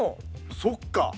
そっか！